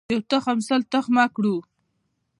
یو تخم سل تخمه کړو.